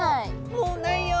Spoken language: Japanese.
「もうないよ。